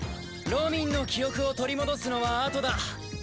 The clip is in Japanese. ロミンの記憶を取り戻すのはあとだ。